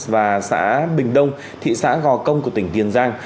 và xã bình đông thị xã gò công của tỉnh tiền giang